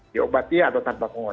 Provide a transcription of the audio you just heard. diobati atau tanpa penguat